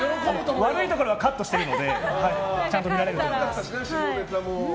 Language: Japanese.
悪いところはカットしてるんでちゃんと見られるように。